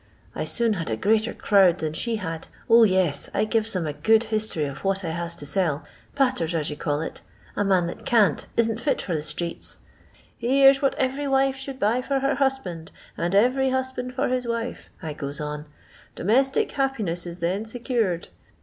I soon had a greater crowd than she had. 0, yes ! I gives 'era a go. d history of what I has to sell ; patters, as you call it; a roan that can't isn't fit for the streets. * Here 'a what every wife should buy for her hus bind, and every husband for his wife,' I goes on. * Donifstic happiness is then secured.